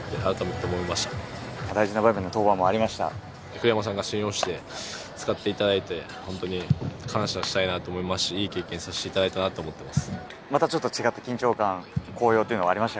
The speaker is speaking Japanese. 栗山さんが信用して使っていただいて、本当に感謝したいと思いますし、いい経験させていただいたなと思います。